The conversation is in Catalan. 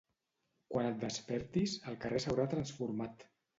Quan et despertis, el carrer s'haurà transformat.